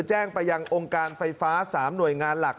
แจ้งไปยังองค์การไฟฟ้า๓หน่วยงานหลัก